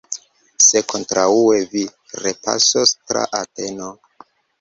Se kontraŭe, vi repasos tra Ateno!